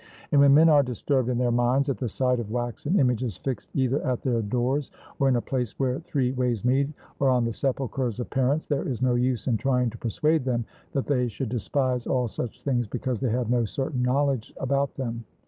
And when men are disturbed in their minds at the sight of waxen images fixed either at their doors, or in a place where three ways meet, or on the sepulchres of parents, there is no use in trying to persuade them that they should despise all such things because they have no certain knowledge about them.